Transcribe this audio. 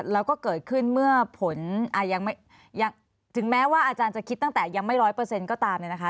แล้วก็เกิดขึ้นเมื่อผลยังถึงแม้ว่าอาจารย์จะคิดตั้งแต่ยังไม่ร้อยเปอร์เซ็นต์ก็ตามเนี่ยนะคะ